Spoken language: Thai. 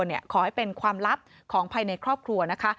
ขอให้เป็นความลับของภายในครอบครัวนะคะ